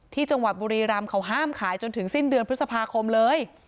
ที่จังหวัดบุรีรำเขาห้ามขายจนถึงสิ้นเดือนพฤษภาคมเลย